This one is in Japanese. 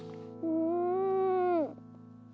うん